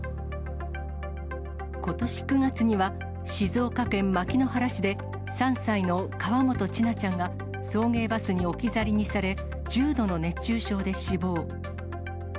ことし９月には、静岡県牧之原市で、３歳の河本千奈ちゃんが、送迎バスに置き去りにされ、重度の熱中症で死亡。